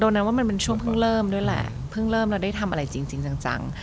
นั้นว่ามันเป็นช่วงเพิ่งเริ่มด้วยแหละเพิ่งเริ่มแล้วได้ทำอะไรจริงจัง